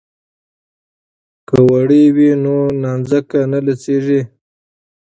که وړۍ وي نو نانځکه نه لڅیږي.